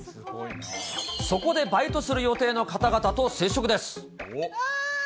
そこでバイトする予定の方々と接わー！